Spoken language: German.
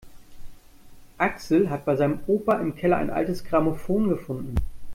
Axel hat bei seinem Opa im Keller ein altes Grammophon gefunden.